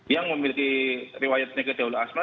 yang memiliki riwayat penyakit dahulu asma